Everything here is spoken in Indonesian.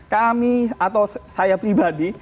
kami atau saya pribadi